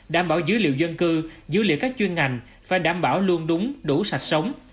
đảm bảo dữ liệu dân cư dữ liệu các chuyên ngành phải đảm bảo luôn đúng đủ sạch sống